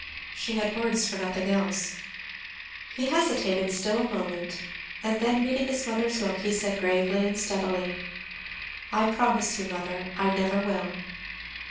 She had words for nothing else. He hesitated still a moment, and then meeting his mother's look he said gravely and steadily, "I promise you, mother, I never will."